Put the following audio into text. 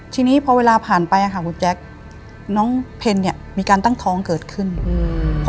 ทีนี้พอเวลาผ่านไปอ่ะค่ะคุณแจ๊คน้องเพลเนี้ยมีการตั้งท้องเกิดขึ้นอืม